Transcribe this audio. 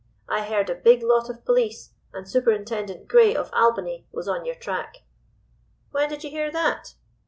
I heard a big lot of police, and Superintendent Gray, of Albany, was on yer track.' "'When did you hear that?